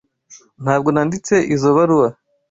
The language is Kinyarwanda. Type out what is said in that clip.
Ntabwo nanditse izoi baruwa.